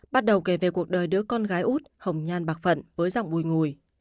bắt đầu kể về cuộc đời đứa con gái út hồng nhan bạc phận với dòng bùi ngùi